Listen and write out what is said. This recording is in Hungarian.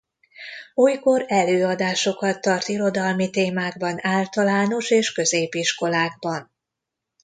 Olykor előadásokat tart irodalmi témákban általános és középiskolákban.